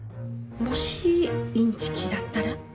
もしインチキだったら。